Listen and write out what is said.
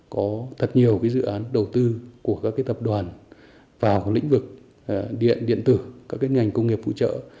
có thật nhiều dự án đầu tư của các tập đoàn vào lĩnh vực điện điện tử các ngành công nghiệp phụ trợ